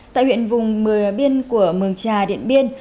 tại huyện vùng biên của mường trà điện biên